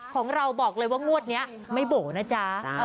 ของเราบอกเลยว่างวดนี้ไม่โบ๋นะจ๊ะ